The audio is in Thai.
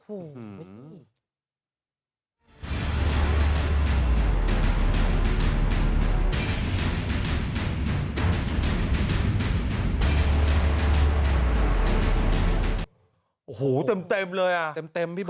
โอ้โหเต็มเลยอ่ะ